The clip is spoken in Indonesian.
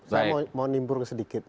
saya mau nimpur sedikit